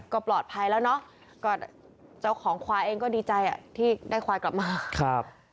ก็ปลอดภัยแล้วเนอะก็เจ้าของควายเองก็ดีใจอ่ะที่ได้ควายกลับมาครับ